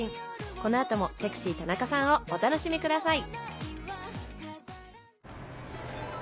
この後も『セクシー田中さん』をお楽しみください